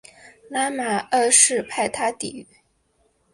拉玛二世派他抵御。